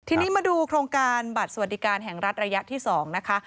ทีนี้มาดูโครงการบัตรสวัสดิการแห่งรัฐระยะที่๒นะคะ